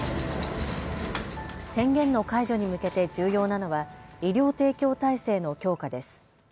宣言の解除に向けて重要なのは医療提供体制の強化です。